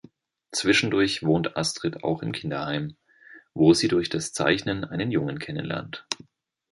Zwischendurch wohnt Astrid auch im Kinderheim, wo sie durch das Zeichnen einen Jungen kennenlernt.